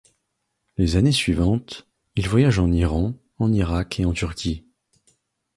Les années suivantes, il voyage en Iran, en Irak et en Turquie.